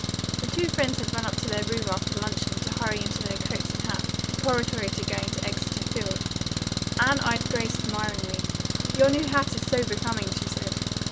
The two friends had run up to their room after luncheon to hurry into their coats and hats, preparatory to going to Exeter Field. Anne eyed Grace admiringly. "Your new hat is so becoming," she said.